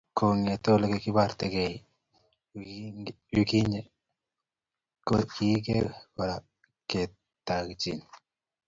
Kongete ulikibarte ke yukinye, koikeni kora ketajin?